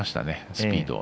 スピードを。